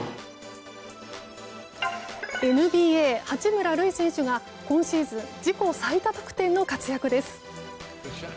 ＮＢＡ、八村塁選手が今シーズン自己最多得点の活躍です。